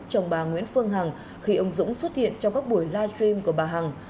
chồng bà nguyễn phương hằng khi ông dũng xuất hiện trong các buổi live stream của bà hằng